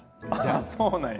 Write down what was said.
あっそうなんや。